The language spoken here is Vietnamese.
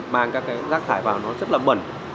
mang các cái rác thải vào nó rất là bẩn